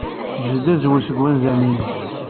Jbed azwu seg wanzaren-nnem.